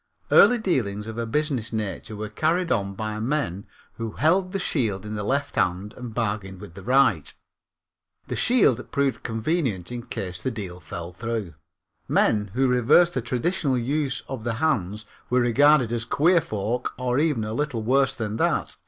Early dealings of a business nature were carried on by men who held the shield in the left hand and bargained with the right. The shield proved convenient in case the deal fell through. Men who reversed the traditional use of the hands were regarded as queer folk or even a little worse than that.